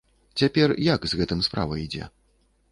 Цяпер як з гэтым справа ідзе?